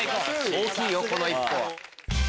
大きいよこの一歩は。